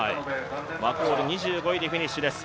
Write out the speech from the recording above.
ワコール、２５位でフィニッシュです。